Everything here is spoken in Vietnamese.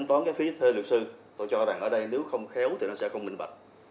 tôi cho rằng ở đây nếu không khéo thì nó sẽ không bình bạch